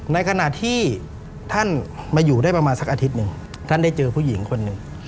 ในขณะที่ท่านมาอยู่ได้ประมาณสักอาทิตย์หนึ่งท่านได้เจอผู้หญิงคนหนึ่ง